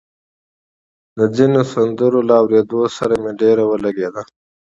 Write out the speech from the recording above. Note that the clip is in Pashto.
د ځينو سندرو له اورېدو سره يې ډېره ولګېده